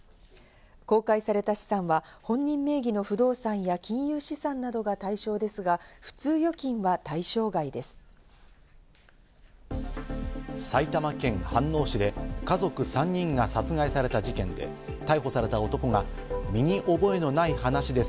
公開された資産は本人名義の不動産や金融資産などが対象ですが、普通預金は対象外です。